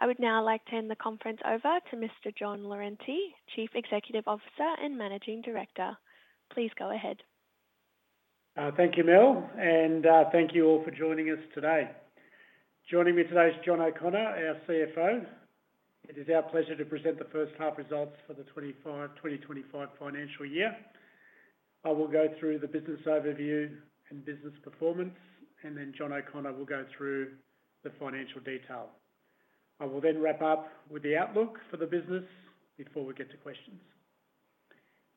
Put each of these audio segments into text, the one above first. I would now like to hand the conference over to Mr. John Lorente, Chief Executive Officer and Managing Director. Please go ahead. Thank you, Mel, and thank you all for joining us today. Joining me today is John O'Connor, our CFO. It is our pleasure to present the first half results for the 2025 financial year. I will go through the business overview and business performance, and then John O'Connor will go through the financial detail. I will then wrap up with the outlook for the business before we get to questions.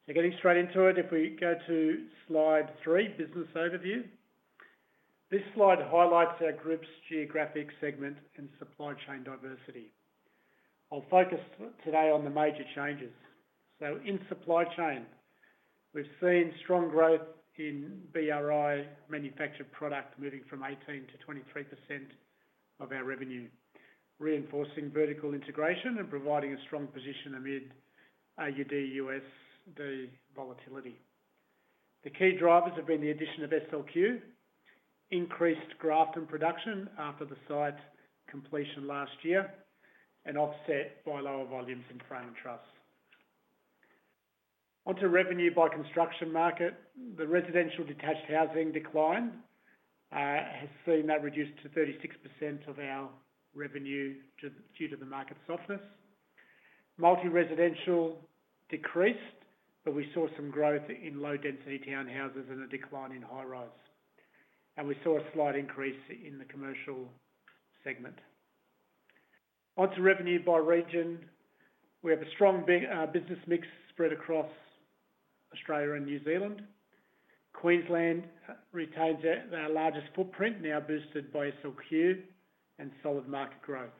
Getting straight into it, if we go to slide three, business overview. This slide highlights our group's geographic segment and supply chain diversity. I will focus today on the major changes. In supply chain, we have seen strong growth in BRI manufactured product, moving from 18%-23% of our revenue, reinforcing vertical integration and providing a strong position amid AUD/USD volatility. The key drivers have been the addition of SLQ, increased Grafton production after the site completion last year, and offset by lower volumes in frame and truss. Onto revenue by construction market. The residential detached housing decline, seeing that reduced to 36% of our revenue due to the market softness. Multi-residential decreased, but we saw some growth in low-density townhouses and a decline in high-rise. We saw a slight increase in the commercial segment. Onto revenue by region. We have a strong business mix spread across Australia and New Zealand. Queensland retains our largest footprint, now boosted by SLQ and solid market growth.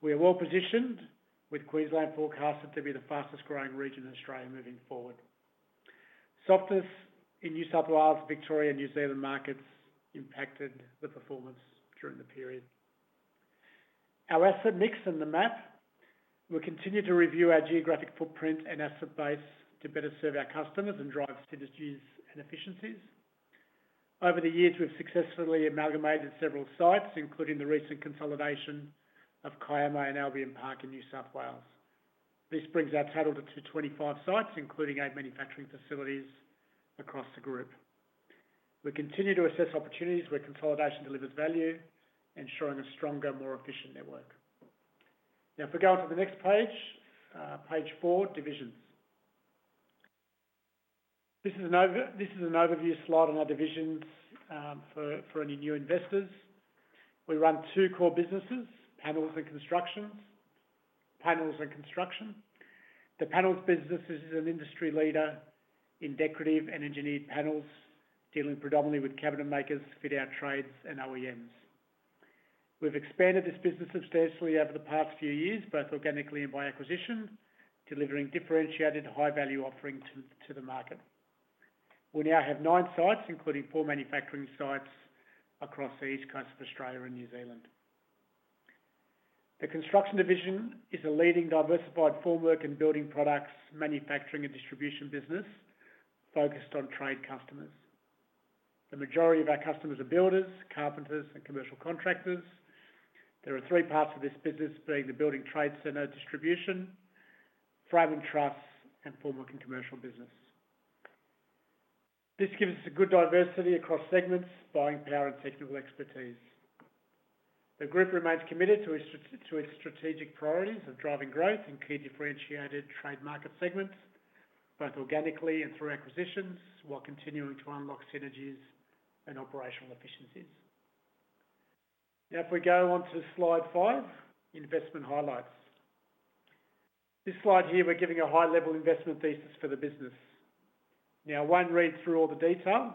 We are well positioned, with Queensland forecasted to be the fastest-growing region in Australia moving forward. Softness in New South Wales, Victoria, and New Zealand markets impacted the performance during the period. Our asset mix and the map. We'll continue to review our geographic footprint and asset base to better serve our customers and drive synergies and efficiencies. Over the years, we've successfully amalgamated several sites, including the recent consolidation of Kiama and Albion Park in New South Wales. This brings our total to 25 sites, including eight manufacturing facilities across the group. We continue to assess opportunities where consolidation delivers value, ensuring a stronger, more efficient network. Now, if we go on to the next page, page four, divisions. This is an overview slide on our divisions for any new investors. We run two core businesses, panels and construction. The panels business is an industry leader in decorative and engineered panels, dealing predominantly with cabinet makers, fit-out trades, and OEMs. We've expanded this business substantially over the past few years, both organically and by acquisition, delivering differentiated high-value offering to the market. We now have nine sites, including four manufacturing sites across the east coast of Australia and New Zealand. The construction division is a leading diversified formwork and building products manufacturing and distribution business focused on trade customers. The majority of our customers are builders, carpenters, and commercial contractors. There are three parts of this business, being the building trade centre, distribution, frame and truss, and formwork and commercial business. This gives us a good diversity across segments, buying power, and technical expertise. The group remains committed to its strategic priorities of driving growth in key differentiated trade market segments, both organically and through acquisitions, while continuing to unlock synergies and operational efficiencies. Now, if we go on to slide five, investment highlights. This slide here, we're giving a high-level investment thesis for the business. Now, I won't read through all the detail,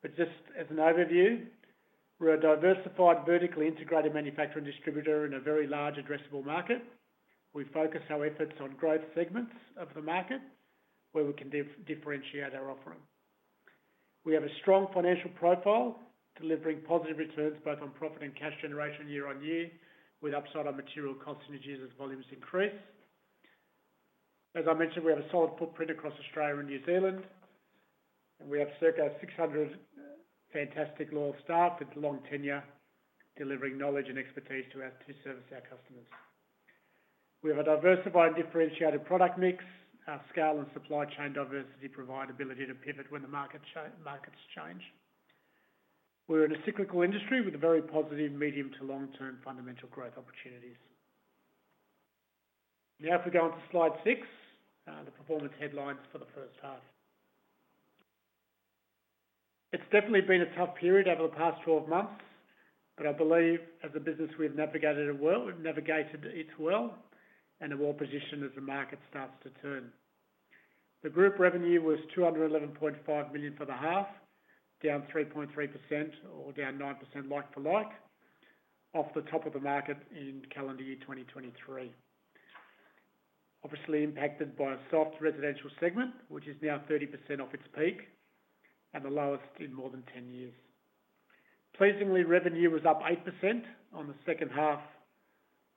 but just as an overview, we're a diversified vertically integrated manufacturer and distributor in a very large addressable market. We focus our efforts on growth segments of the market where we can differentiate our offering. We have a strong financial profile, delivering positive returns both on profit and cash generation year on year, with upside on material cost synergies as volumes increase. As I mentioned, we have a solid footprint across Australia and New Zealand, and we have circa 600 fantastic loyal staff with long tenure, delivering knowledge and expertise to serve our customers. We have a diversified and differentiated product mix, our scale and supply chain diversity provide the ability to pivot when the markets change. We're in a cyclical industry with very positive medium to long-term fundamental growth opportunities. Now, if we go on to slide six, the performance headlines for the first half. It's definitely been a tough period over the past 12 months, but I believe as a business we've navigated it well and are well positioned as the market starts to turn. The group revenue was 211.5 million for the half, down 3.3%, or down 9% like for like, off the top of the market in calendar year 2023. Obviously impacted by a soft residential segment, which is now 30% off its peak and the lowest in more than 10 years. Pleasingly, revenue was up 8% on the second half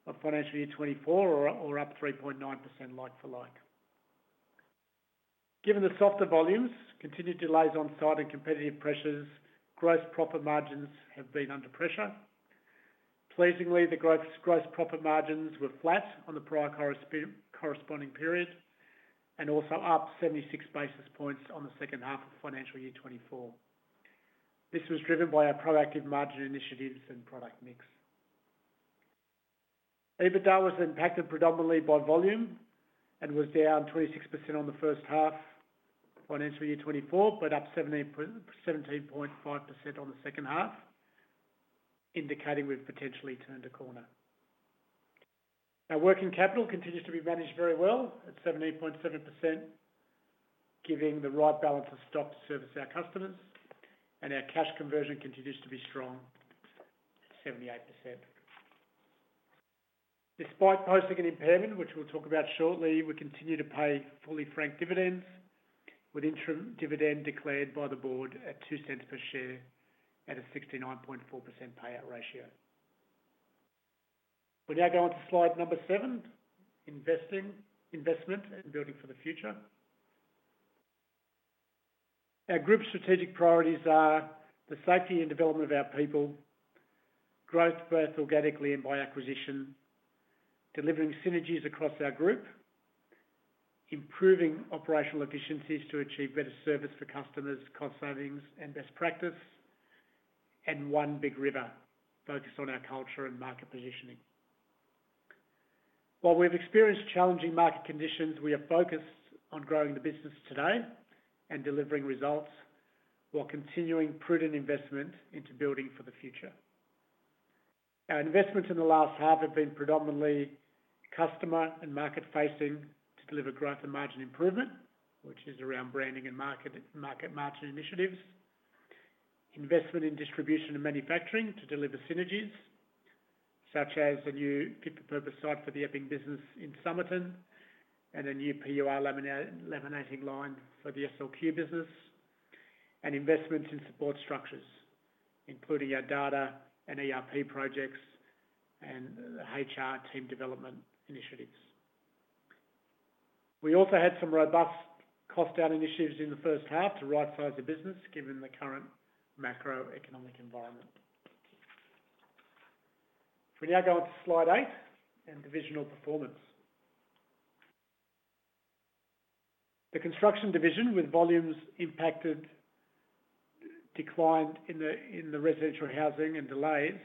of financial year 2024, or up 3.9% like for like. Given the softer volumes, continued delays on site and competitive pressures, gross profit margins have been under pressure. Pleasingly, the gross profit margins were flat on the prior corresponding period and also up 76 basis points on the second half of financial year 2024. This was driven by our proactive margin initiatives and product mix. EBITDA was impacted predominantly by volume and was down 26% on the first half, financial year 2024, but up 17.5% on the second half, indicating we have potentially turned a corner. Our working capital continues to be managed very well at 17.7%, giving the right balance of stock to service our customers, and our cash conversion continues to be strong, 78%. Despite posting an impairment, which we will talk about shortly, we continue to pay fully franked dividends, with interim dividend declared by the board at 0.02 per share at a 69.4% payout ratio. We now go on to slide number seven, investment and building for the future. Our group strategic priorities are the safety and development of our people, growth both organically and by acquisition, delivering synergies across our group, improving operational efficiencies to achieve better service for customers, cost savings, and best practice, and one Big River, focused on our culture and market positioning. While we've experienced challenging market conditions, we are focused on growing the business today and delivering results while continuing prudent investment into building for the future. Our investments in the last half have been predominantly customer and market-facing to deliver growth and margin improvement, which is around branding and market margin initiatives, investment in distribution and manufacturing to deliver synergies, such as a new fit-for-purpose site for the Epping business in Somerton and a new PUR laminating line for the SLQ business, and investments in support structures, including our data and ERP projects and HR team development initiatives. We also had some robust cost-down initiatives in the first half to right-size the business, given the current macroeconomic environment. If we now go on to slide eight and divisional performance. The construction division, with volumes impacted, declined in the residential housing and delays,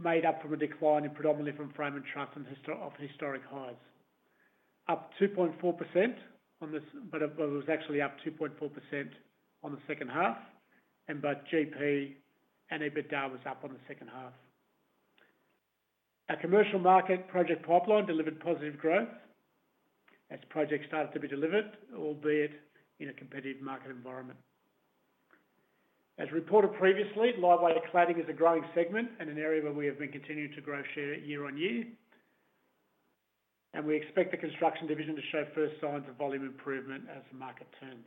made up from a decline predominantly from frame and truss and of historic highs. Up 2.4% on this, but it was actually up 2.4% on the second half, and both GP and EBITDA was up on the second half. Our commercial market project pipeline delivered positive growth as projects started to be delivered, albeit in a competitive market environment. As reported previously, lightweight cladding is a growing segment and an area where we have been continuing to grow share year on year, and we expect the construction division to show first signs of volume improvement as the market turns.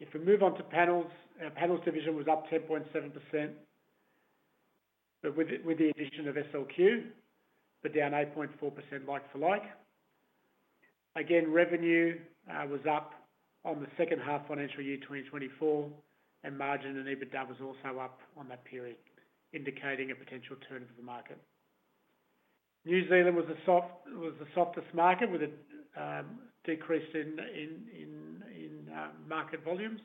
If we move on to panels, our panels division was up 10.7% with the addition of SLQ, but down 8.4% like for like. Again, revenue was up on the second half financial year 2024, and margin and EBITDA was also up on that period, indicating a potential turn for the market. New Zealand was the softest market with a decrease in market volumes.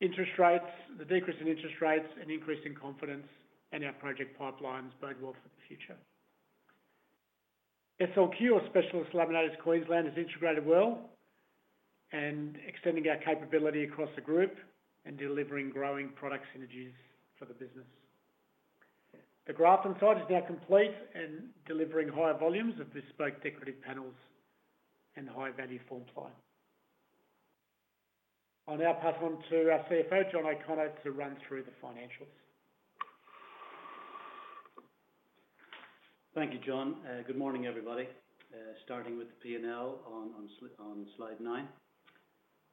Interest rates, the decrease in interest rates and increase in confidence in our project pipelines both bode well for the future. SLQ, or Specialised Laminators Queensland, has integrated well and extended our capability across the group and delivering growing product synergies for the business. The Grafton site is now complete and delivering higher volumes of bespoke decorative panels and high-value formply. I'll now pass on to our CFO, John O'Connor, to run through the financials. Thank you, John. Good morning, everybody. Starting with the P&L on slide nine.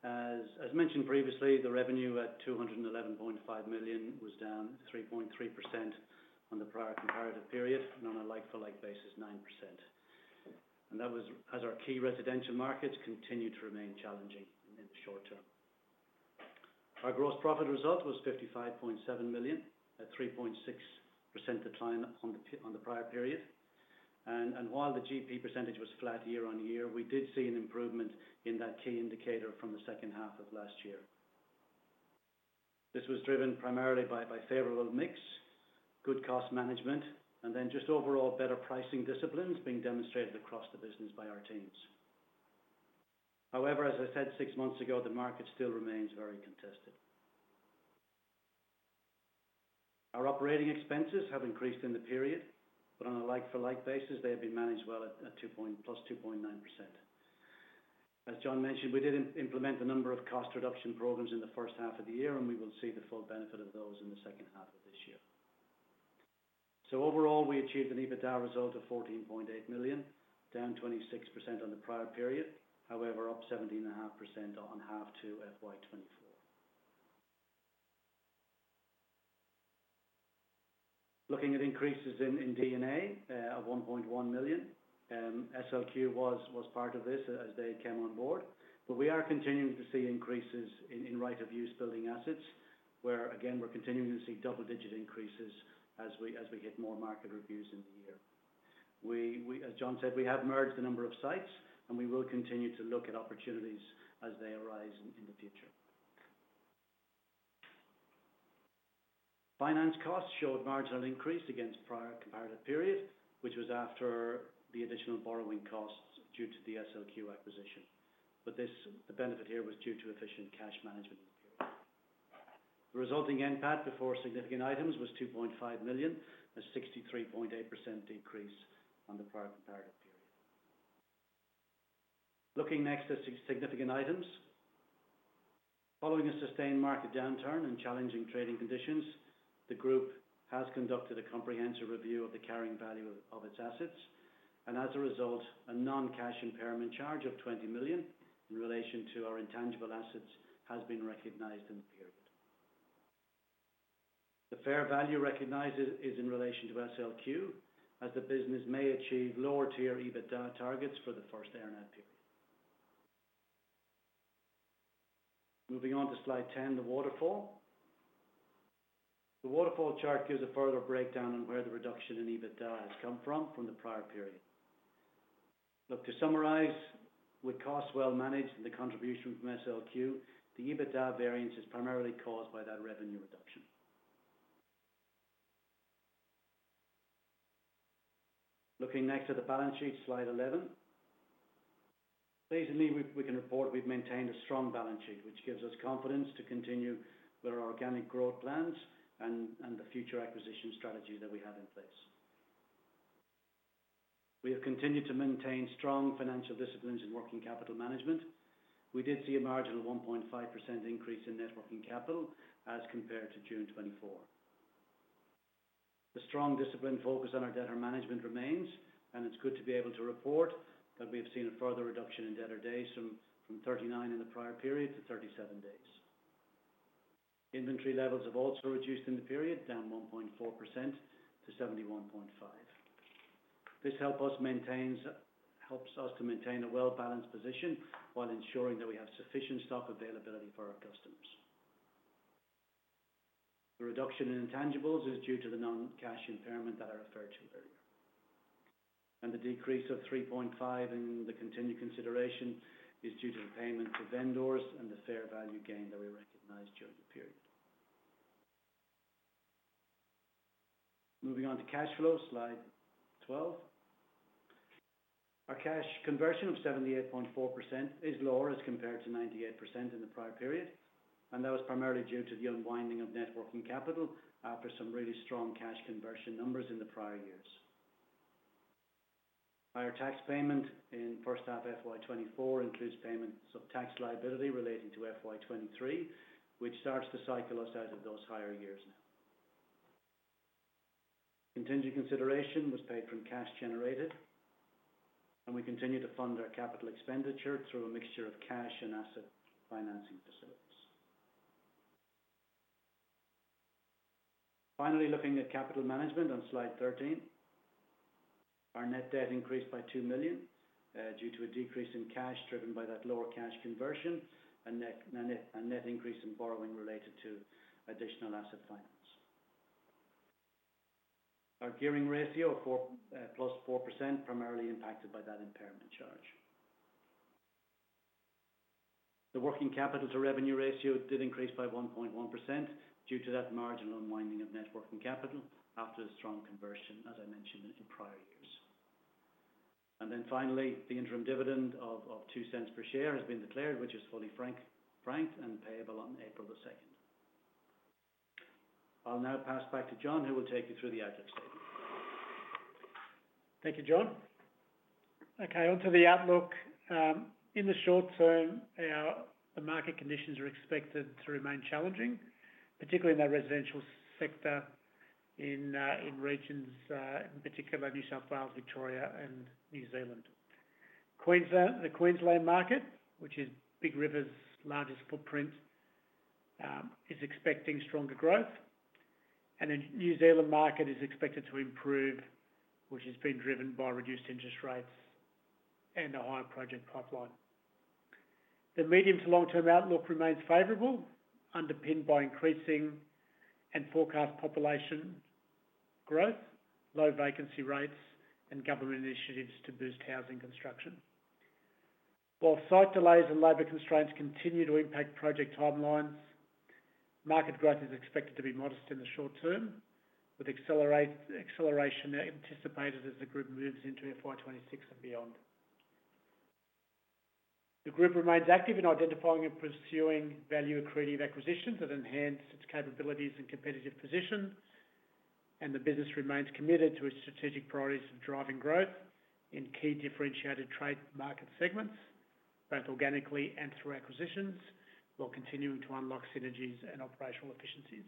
As mentioned previously, the revenue at 211.5 million was down 3.3% on the prior comparative period and on a like-for-like basis, 9%. That was as our key residential markets continued to remain challenging in the short term. Our gross profit result was 55.7 million, a 3.6% decline on the prior period. While the GP percentage was flat year on year, we did see an improvement in that key indicator from the second half of last year. This was driven primarily by favorable mix, good cost management, and just overall better pricing disciplines being demonstrated across the business by our teams. However, as I said six months ago, the market still remains very contested. Our operating expenses have increased in the period, but on a like-for-like basis, they have been managed well at +2.9%. As John mentioned, we did implement a number of cost reduction programs in the first half of the year, and we will see the full benefit of those in the second half of this year. Overall, we achieved an EBITDA result of 14.8 million, down 26% on the prior period, however, up 17.5% on half two FY2024. Looking at increases in DNA of 1.1 million, SLQ was part of this as they came on board, but we are continuing to see increases in right-of-use building assets where, again, we're continuing to see double-digit increases as we hit more market reviews in the year. As John said, we have merged a number of sites, and we will continue to look at opportunities as they arise in the future. Finance costs showed marginal increase against prior comparative period, which was after the additional borrowing costs due to the SLQ acquisition. The benefit here was due to efficient cash management in the period. The resulting end PAT before significant items was 2.5 million, a 63.8% decrease on the prior comparative period. Looking next at significant items. Following a sustained market downturn and challenging trading conditions, the group has conducted a comprehensive review of the carrying value of its assets, and as a result, a non-cash impairment charge of 20 million in relation to our intangible assets has been recognized in the period. The fair value recognized is in relation to SLQ, as the business may achieve lower-tier EBITDA targets for the first year and year period. Moving on to slide 10, the waterfall. The waterfall chart gives a further breakdown on where the reduction in EBITDA has come from from the prior period. Look, to summarize, with costs well managed and the contribution from SLQ, the EBITDA variance is primarily caused by that revenue reduction. Looking next at the balance sheet, slide 11. Pleasingly, we can report we've maintained a strong balance sheet, which gives us confidence to continue with our organic growth plans and the future acquisition strategies that we have in place. We have continued to maintain strong financial disciplines in working capital management. We did see a marginal 1.5% increase in net working capital as compared to June 2024. The strong discipline focus on our debtor management remains, and it's good to be able to report that we have seen a further reduction in debtor days from 39 in the prior period to 37 days. Inventory levels have also reduced in the period, down 1.4% to 71.5. This helps us maintain a well-balanced position while ensuring that we have sufficient stock availability for our customers. The reduction in intangibles is due to the non-cash impairment that I referred to earlier. The decrease of 3.5 in the continued consideration is due to the payment to vendors and the fair value gain that we recognized during the period. Moving on to cash flow, slide 12. Our cash conversion of 78.4% is lower as compared to 98% in the prior period, and that was primarily due to the unwinding of net working capital after some really strong cash conversion numbers in the prior years. Our tax payment in first half FY2024 includes payments of tax liability relating to FY2023, which starts to cycle us out of those higher years now. Contingent consideration was paid from cash generated, and we continue to fund our capital expenditure through a mixture of cash and asset financing facilities. Finally, looking at capital management on slide 13, our net debt increased by 2 million due to a decrease in cash driven by that lower cash conversion and net increase in borrowing related to additional asset finance. Our gearing ratio of +4% primarily impacted by that impairment charge. The working capital to revenue ratio did increase by 1.1% due to that marginal unwinding of net working capital after the strong conversion, as I mentioned, in prior years. Finally, the interim dividend of 0.02 per share has been declared, which is fully franked and payable on April the 2nd. I'll now pass back to John, who will take you through the outlook statement. Thank you, John. Okay, onto the outlook. In the short term, the market conditions are expected to remain challenging, particularly in the residential sector in regions, in particular, New South Wales, Victoria, and New Zealand. The Queensland market, which is Big River's largest footprint, is expecting stronger growth, and the New Zealand market is expected to improve, which has been driven by reduced interest rates and a higher project pipeline. The medium to long-term outlook remains favorable, underpinned by increasing and forecast population growth, low vacancy rates, and government initiatives to boost housing construction. While site delays and labor constraints continue to impact project timelines, market growth is expected to be modest in the short term, with acceleration anticipated as the group moves into FY 2026 and beyond. The group remains active in identifying and pursuing value-accretive acquisitions that enhance its capabilities and competitive position, and the business remains committed to its strategic priorities of driving growth in key differentiated trade market segments, both organically and through acquisitions, while continuing to unlock synergies and operational efficiencies.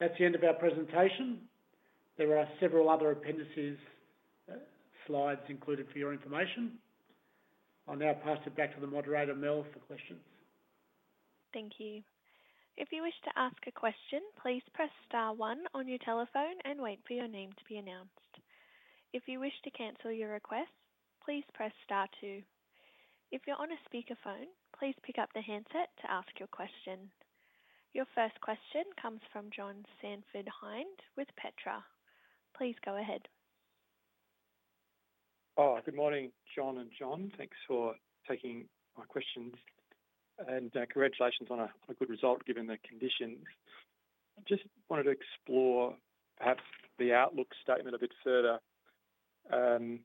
That is the end of our presentation. There are several other appendices slides included for your information. I will now pass it back to the moderator, Mel, for questions. Thank you. If you wish to ask a question, please press star one on your telephone and wait for your name to be announced. If you wish to cancel your request, please press star two. If you're on a speakerphone, please pick up the handset to ask your question. Your first question comes from John Sanford-Hinde with Petra. Please go ahead. Oh, good morning, John and John. Thanks for taking my questions. Congratulations on a good result given the conditions. I just wanted to explore perhaps the outlook statement a bit further. I mean,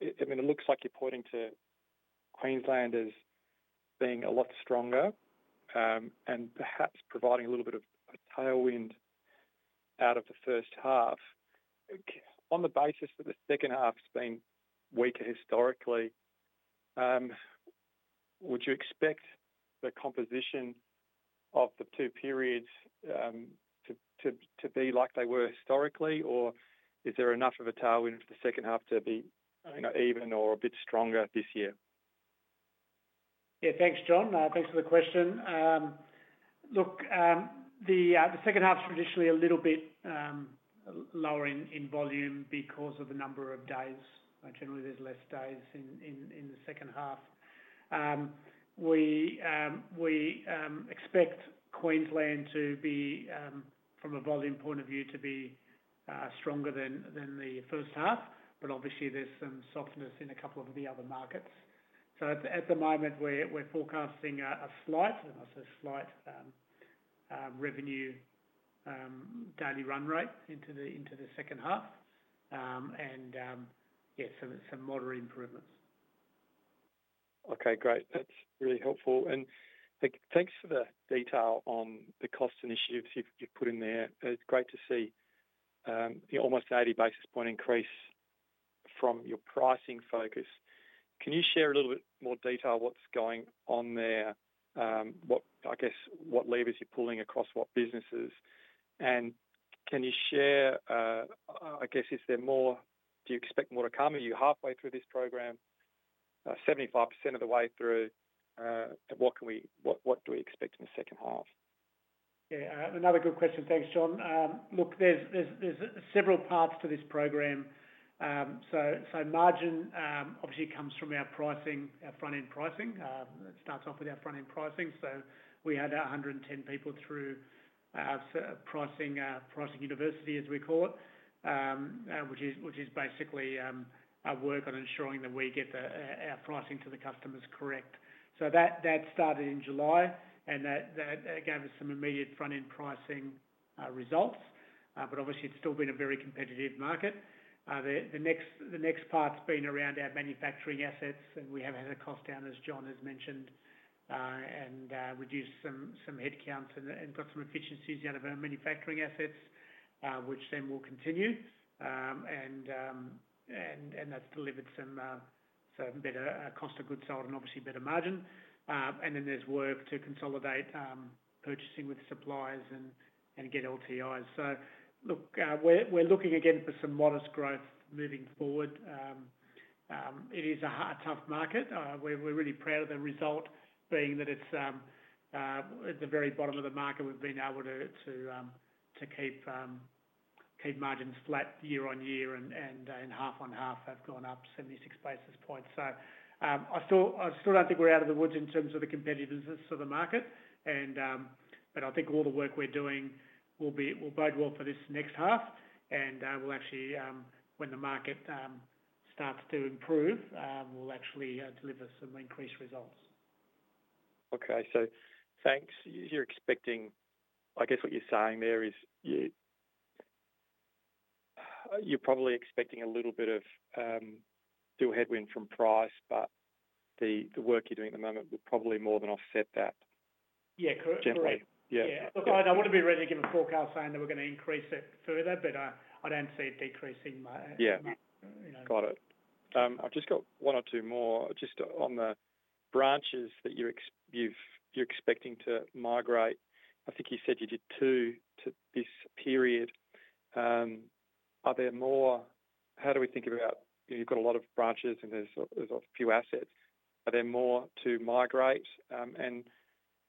it looks like you're pointing to Queensland as being a lot stronger and perhaps providing a little bit of a tailwind out of the first half. On the basis that the second half has been weaker historically, would you expect the composition of the two periods to be like they were historically, or is there enough of a tailwind for the second half to be even or a bit stronger this year? Yeah, thanks, John. Thanks for the question. Look, the second half is traditionally a little bit lower in volume because of the number of days. Generally, there are less days in the second half. We expect Queensland to be, from a volume point of view, to be stronger than the first half, but obviously, there is some softness in a couple of the other markets. At the moment, we are forecasting a slight, I must say, slight revenue daily run rate into the second half and, yeah, some moderate improvements. Okay, great. That's really helpful. Thanks for the detail on the cost initiatives you've put in there. It's great to see almost an 80 basis point increase from your pricing focus. Can you share a little bit more detail what's going on there? I guess, what levers you're pulling across what businesses? Can you share, I guess, is there more? Do you expect more to come? Are you halfway through this program, 75% of the way through? What do we expect in the second half? Yeah, another good question. Thanks, John. Look, there's several parts to this program. Margin obviously comes from our pricing, our front-end pricing. It starts off with our front-end pricing. We had 110 people through Pricing University, as we call it, which is basically our work on ensuring that we get our pricing to the customers correct. That started in July, and that gave us some immediate front-end pricing results. Obviously, it's still been a very competitive market. The next part's been around our manufacturing assets, and we have had a cost down, as John has mentioned, and reduced some headcounts and got some efficiencies out of our manufacturing assets, which then will continue. That has delivered some better cost of goods sold and obviously better margin. There is work to consolidate purchasing with suppliers and get LTIs. Look, we're looking again for some modest growth moving forward. It is a tough market. We're really proud of the result, being that it's at the very bottom of the market, we've been able to keep margins flat year on year, and half on half have gone up 76 basis points. I still don't think we're out of the woods in terms of the competitiveness of the market. I think all the work we're doing will bode well for this next half. Actually, when the market starts to improve, we'll actually deliver some increased results. Okay, thanks. I guess what you're saying there is you're probably expecting a little bit of a headwind from price, but the work you're doing at the moment will probably more than offset that. Yeah, correct. Generally. Yeah. Look, I wouldn't be ready to give a forecast saying that we're going to increase it further, but I don't see it decreasing. Yeah. Got it. I've just got one or two more. Just on the branches that you're expecting to migrate, I think you said you did two this period. Are there more? How do we think about you've got a lot of branches, and there's a few assets. Are there more to migrate? And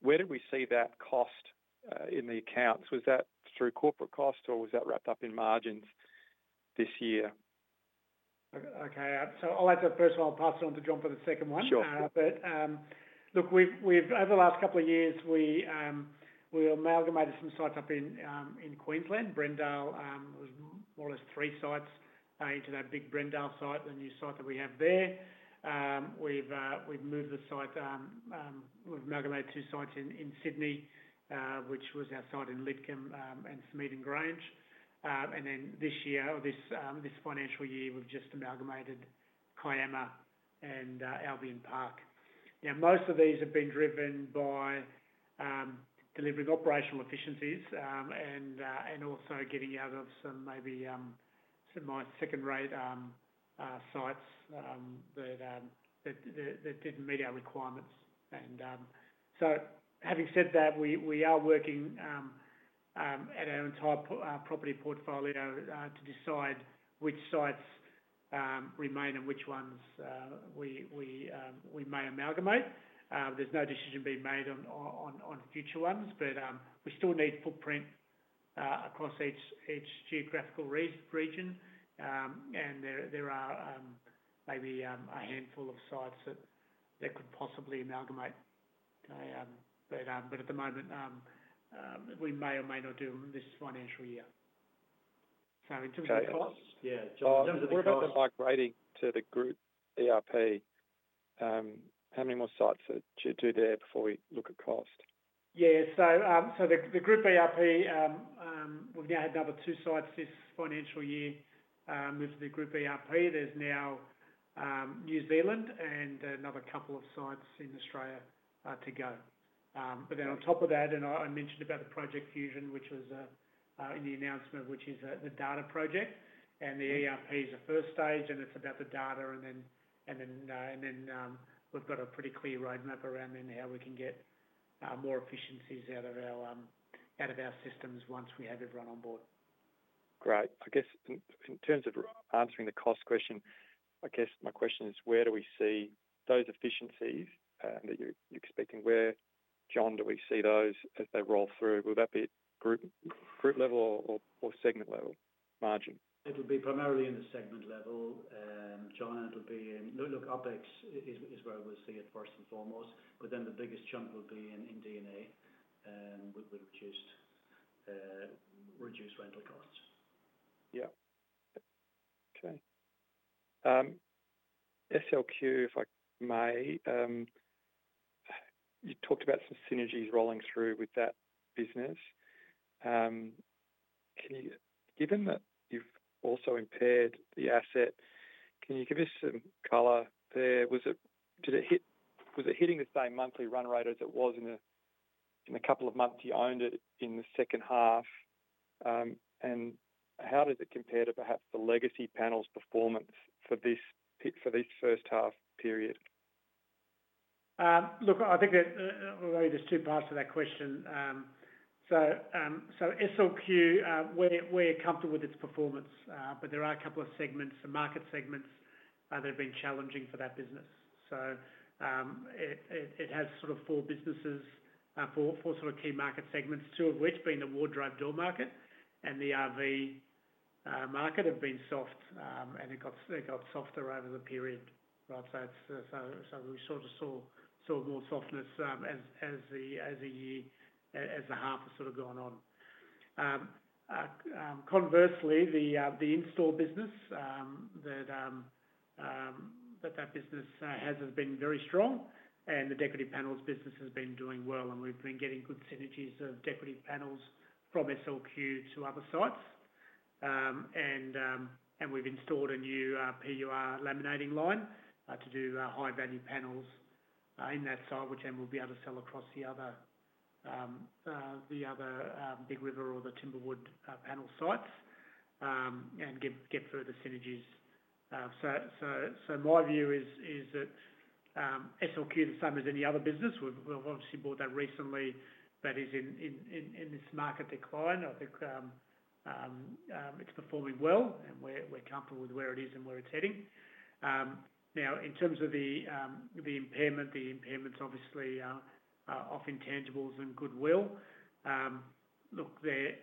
where did we see that cost in the accounts? Was that through corporate costs, or was that wrapped up in margins this year? Okay, I’ll have to, first of all, pass it on to John for the second one. Sure. Over the last couple of years, we amalgamated some sites up in Queensland. Brendale was more or less three sites into that big Brendale site, the new site that we have there. We have moved the site. We have amalgamated two sites in Sydney, which was our site in Lidcombe and Smeaton Grange. This year, or this financial year, we have just amalgamated Kiama and Albion Park. Most of these have been driven by delivering operational efficiencies and also getting out of some maybe second-rate sites that did not meet our requirements. Having said that, we are working at our entire property portfolio to decide which sites remain and which ones we may amalgamate. There is no decision being made on future ones, but we still need footprint across each geographical region. There are maybe a handful of sites that could possibly amalgamate. At the moment, we may or may not do them this financial year. In terms of cost. Yeah, John, in terms of the cost migrating to the group ERP, how many more sites do you do there before we look at cost? Yeah, so the group ERP, we've now had another two sites this financial year move to the group ERP. There's now New Zealand and another couple of sites in Australia to go. On top of that, I mentioned about the project fusion, which was in the announcement, which is the data project. The ERP is a first stage, and it's about the data. We've got a pretty clear roadmap around how we can get more efficiencies out of our systems once we have everyone on board. Great. I guess in terms of answering the cost question, I guess my question is, where do we see those efficiencies that you're expecting? Where, John, do we see those as they roll through? Will that be at group level or segment level margin? It will be primarily in the segment level, John. It will be in, look, OPEX is where we'll see it first and foremost. The biggest chunk will be in DNA with reduced rental costs. Yeah. Okay. SLQ, if I may, you talked about some synergies rolling through with that business. Given that you've also impaired the asset, can you give us some color there? Was it hitting the same monthly run rate as it was in the couple of months you owned it in the second half? How does it compare to perhaps the legacy panel's performance for this first half period? Look, I think there are two parts to that question. SLQ, we're comfortable with its performance, but there are a couple of segments, some market segments that have been challenging for that business. It has four businesses, four key market segments, two of which being the wardrobe door market and the RV market have been soft, and they got softer over the period. We saw more softness as the half has gone on. Conversely, the install business that that business has has been very strong, and the decorative panels business has been doing well. We've been getting good synergies of decorative panels from SLQ to other sites. We have installed a new PUR laminating line to do high-value panels in that site, which then we will be able to sell across the other Big River or the Timberwood panel sites and get further synergies. My view is that SLQ, the same as any other business. We have obviously bought that recently that is in this market decline. I think it is performing well, and we are comfortable with where it is and where it is heading. Now, in terms of the impairment, the impairment is obviously off intangibles and goodwill. Look, the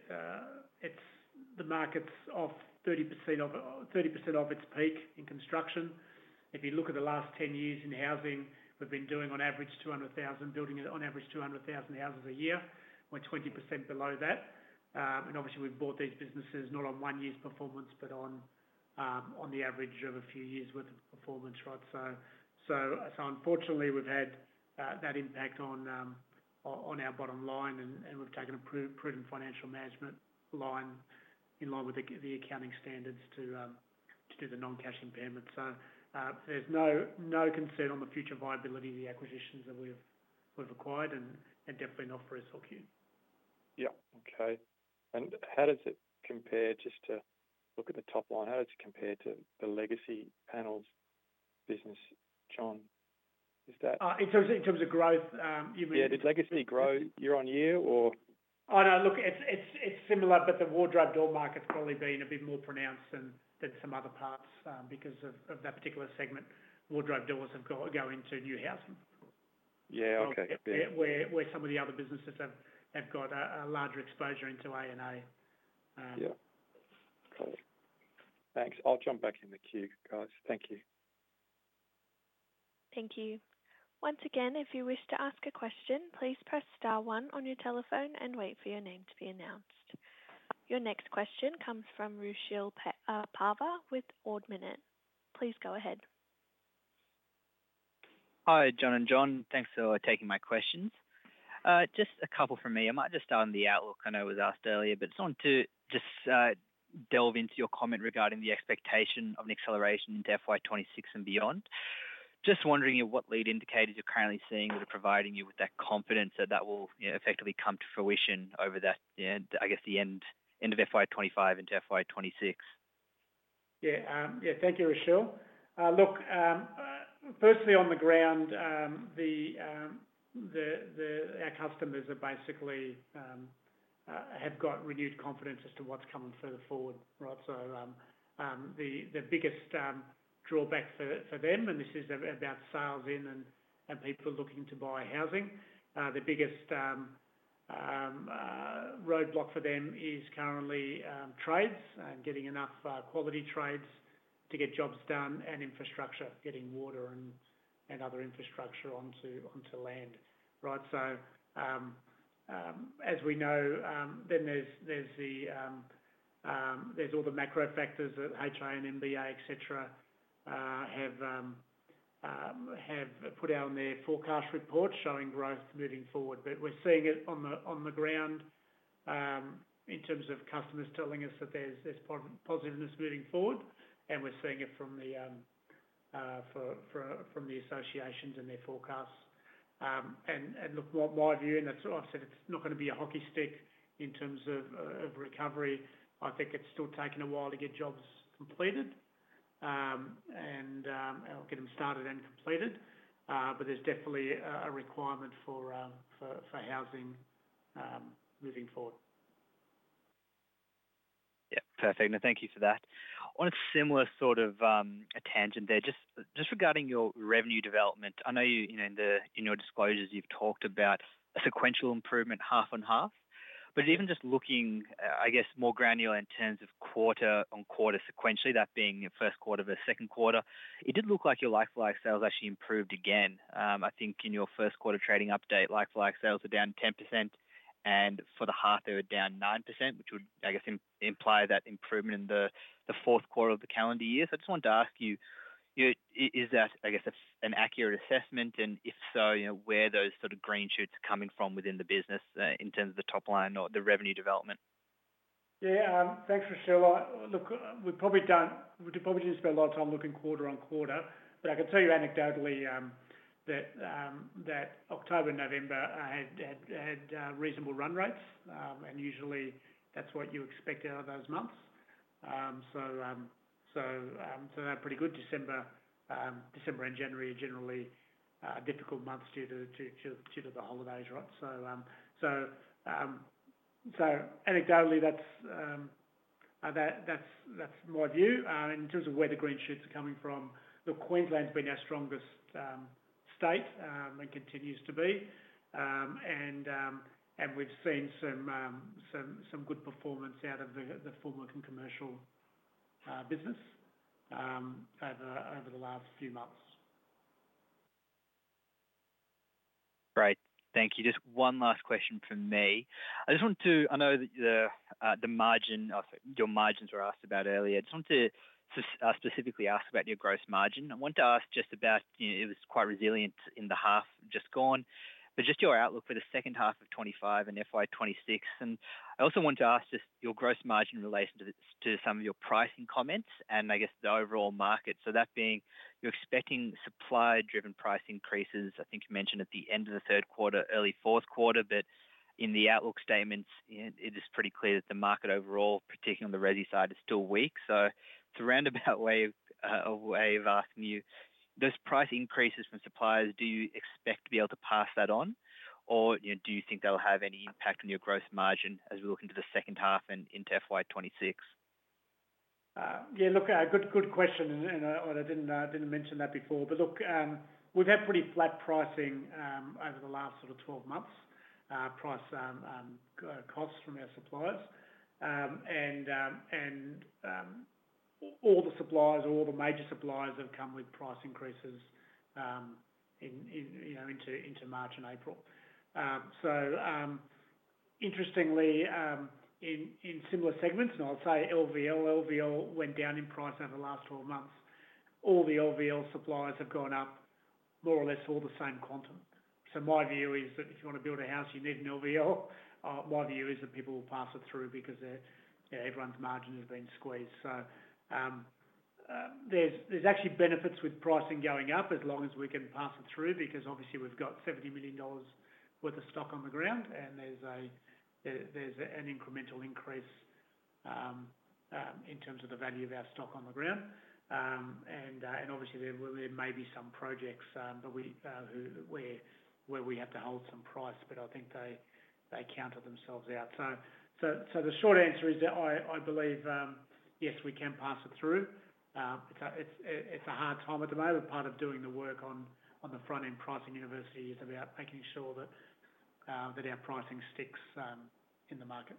market is off 30% of its peak in construction. If you look at the last 10 years in housing, we have been doing on average 200,000, building on average 200,000 houses a year. We are 20% below that. We have bought these businesses not on one year's performance, but on the average of a few years' worth of performance, right? Unfortunately, we've had that impact on our bottom line, and we've taken a prudent financial management line in line with the accounting standards to do the non-cash impairment. There's no concern on the future viability of the acquisitions that we've acquired and definitely not for SLQ. Yeah. Okay. How does it compare? Just to look at the top line, how does it compare to the legacy panels business, John? Is that? In terms of growth, you mean? Yeah, did legacy grow year on year, or? Oh, no. Look, it's similar, but the wardrobe door market's probably been a bit more pronounced than some other parts because of that particular segment. Wardrobe doors have got to go into new housing. Yeah. Okay. Where some of the other businesses have got a larger exposure into A and A. Yeah. Okay. Thanks. I'll jump back in the queue, guys. Thank you. Thank you. Once again, if you wish to ask a question, please press star one on your telephone and wait for your name to be announced. Your next question comes from Rochelle Parekh with Ord Minnett. Please go ahead. Hi, John and John. Thanks for taking my questions. Just a couple from me. I might just start on the outlook. I know was asked earlier, but just wanted to delve into your comment regarding the expectation of an acceleration into FY 2026 and beyond. Just wondering what lead indicators you're currently seeing that are providing you with that confidence that that will effectively come to fruition over, I guess, the end of FY 2025 into FY 2026. Yeah. Yeah. Thank you, Rochelle. Look, firstly, on the ground, our customers have basically got renewed confidence as to what's coming further forward, right? The biggest drawback for them, and this is about sales in and people looking to buy housing, the biggest roadblock for them is currently trades and getting enough quality trades to get jobs done and infrastructure, getting water and other infrastructure onto land, right? As we know, then there's all the macro factors that HI and MBA, etc., have put out on their forecast report showing growth moving forward. We're seeing it on the ground in terms of customers telling us that there's positiveness moving forward. We're seeing it from the associations and their forecasts. Look, my view, and I've said it's not going to be a hockey stick in terms of recovery. I think it's still taking a while to get jobs completed and get them started and completed. There is definitely a requirement for housing moving forward. Yeah. Perfect. Thank you for that. On a similar sort of tangent there, just regarding your revenue development, I know in your disclosures you've talked about a sequential improvement half and half. Even just looking, I guess, more granular in terms of quarter on quarter sequentially, that being first quarter versus second quarter, it did look like your like-for-like sales actually improved again. I think in your first quarter trading update, like-for-like sales were down 10%, and for the half, they were down 9%, which would, I guess, imply that improvement in the fourth quarter of the calendar year. I just wanted to ask you, is that, I guess, an accurate assessment? If so, where are those sort of green shoots coming from within the business in terms of the top line or the revenue development? Yeah. Thanks, Rochelle. Look, we probably didn't spend a lot of time looking quarter on quarter. I can tell you anecdotally that October and November had reasonable run rates. Usually, that's what you expect out of those months. They're pretty good. December and January are generally difficult months due to the holidays, right? Anecdotally, that's my view. In terms of where the green shoots are coming from, Queensland's been our strongest state and continues to be. We've seen some good performance out of the formworking commercial business over the last few months. Great. Thank you. Just one last question from me. I just wanted to—I know that your margins were asked about earlier. I just wanted to specifically ask about your gross margin. I wanted to ask just about—it was quite resilient in the half just gone. Just your outlook for the second half of 2025 and FY2026. I also wanted to ask just your gross margin relates to some of your pricing comments and, I guess, the overall market. That being, you're expecting supply-driven price increases. I think you mentioned at the end of the third quarter, early fourth quarter. In the outlook statements, it is pretty clear that the market overall, particularly on the resi side, is still weak. It is a roundabout way of asking you, those price increases from suppliers, do you expect to be able to pass that on? Or do you think they'll have any impact on your gross margin as we look into the second half and into FY 2026? Yeah. Look, good question. I did not mention that before. Look, we have had pretty flat pricing over the last sort of 12 months, price costs from our suppliers. All the suppliers, all the major suppliers have come with price increases into March and April. Interestingly, in similar segments, and I will say LVL, LVL went down in price over the last 12 months. All the LVL suppliers have gone up more or less all the same quantum. My view is that if you want to build a house, you need an LVL. My view is that people will pass it through because everyone's margin has been squeezed. There are actually benefits with pricing going up as long as we can pass it through because obviously, we have 70 million dollars worth of stock on the ground. There is an incremental increase in terms of the value of our stock on the ground. Obviously, there may be some projects where we have to hold some price, but I think they counter themselves out. The short answer is that I believe, yes, we can pass it through. It's a hard time at the moment. Part of doing the work on the front-end pricing university is about making sure that our pricing sticks in the market.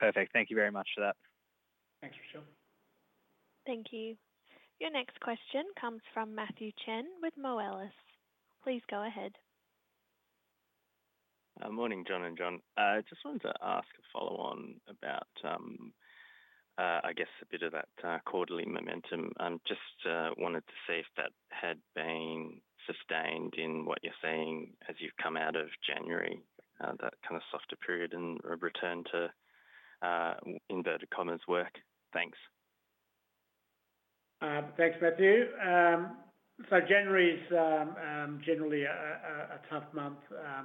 Perfect. Thank you very much for that. Thanks, Rochelle. Thank you. Your next question comes from Matthew Chen with Moelis. Please go ahead. Morning, John and John. I just wanted to ask a follow-on about, I guess, a bit of that quarterly momentum. Just wanted to see if that had been sustained in what you're saying as you've come out of January, that kind of softer period and return to, in inverted commas, work. Thanks. Thanks, Matthew. January is generally a tough month. I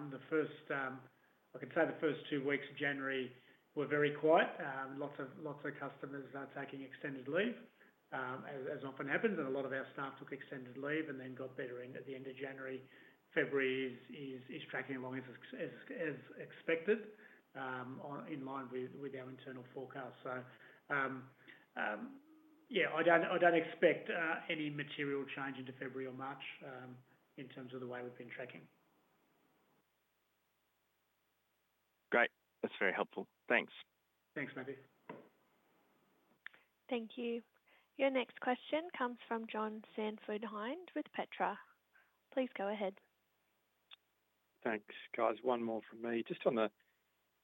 can say the first two weeks of January were very quiet. Lots of customers are taking extended leave, as often happens. A lot of our staff took extended leave and then got better at the end of January. February is tracking along as expected in line with our internal forecast. I do not expect any material change into February or March in terms of the way we have been tracking. Great. That's very helpful. Thanks. Thanks, Matthew. Thank you. Your next question comes from John Sanford-Hinde with Petra. Please go ahead. Thanks, guys. One more from me. Just on the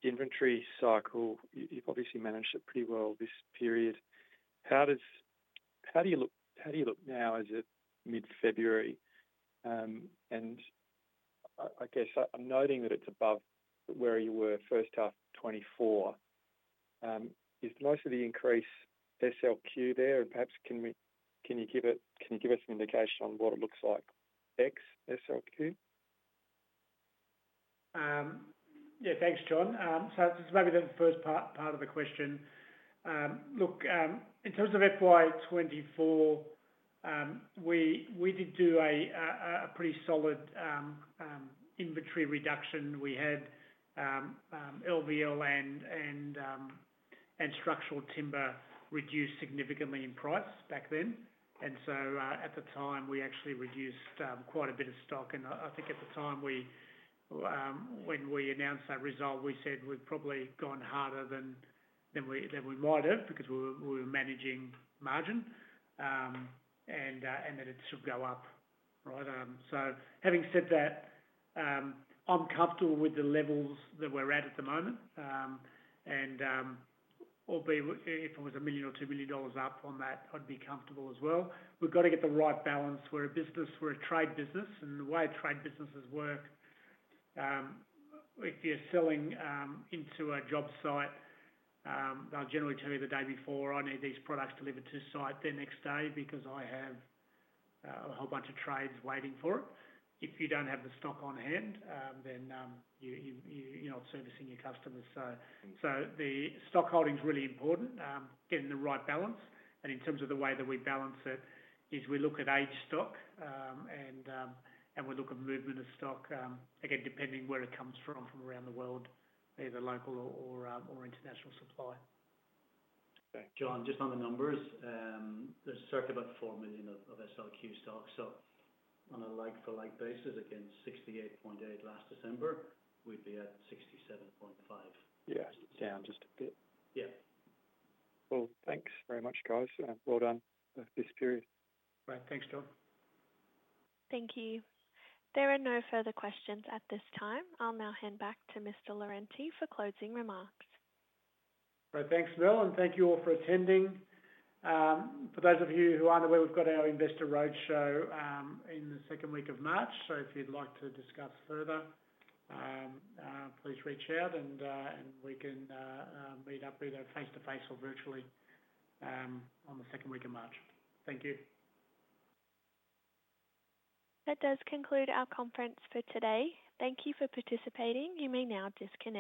inventory cycle, you've obviously managed it pretty well this period. How do you look now as of mid-February? I guess I'm noting that it's above where you were first half 2024. Is most of the increase SLQ there? Perhaps can you give us an indication on what it looks like, X, SLQ? Yeah. Thanks, John. This is maybe the first part of the question. Look, in terms of FY2024, we did do a pretty solid inventory reduction. We had LVL and structural timber reduced significantly in price back then. At the time, we actually reduced quite a bit of stock. I think at the time, when we announced that result, we said we'd probably gone harder than we might have because we were managing margin and that it should go up, right? Having said that, I'm comfortable with the levels that we're at at the moment. If it was a million or two million dollars up on that, I'd be comfortable as well. We've got to get the right balance. We're a trade business. The way trade businesses work, if you're selling into a job site, they'll generally tell you the day before, "I need these products delivered to site the next day because I have a whole bunch of trades waiting for it." If you don't have the stock on hand, then you're not servicing your customers. The stock holding is really important, getting the right balance. In terms of the way that we balance it, we look at age stock and we look at movement of stock, again, depending where it comes from, from around the world, either local or international supply. John, just on the numbers, there's circa about 4 million of SLQ stock. On a like-for-like basis, again, 68.8 last December, we'd be at 67.5. Yeah. Down just a bit. Yeah. Cool. Thanks very much, guys. Well done this period. Right. Thanks, John. Thank you. There are no further questions at this time. I'll now hand back to Mr. Lorente for closing remarks. Right. Thanks, Bill. Thank you all for attending. For those of you who aren't aware, we've got our Investor Roadshow in the second week of March. If you'd like to discuss further, please reach out and we can meet up either face-to-face or virtually on the second week of March. Thank you. That does conclude our conference for today. Thank you for participating. You may now disconnect.